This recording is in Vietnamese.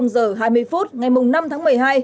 năm giờ hai mươi phút ngày năm tháng một mươi hai